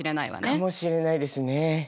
かもしれないですね。